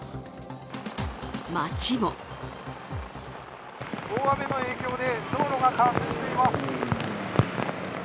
街も大雨の影響で、道路が冠水しています。